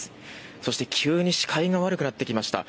そして急に視界が悪くなってきました。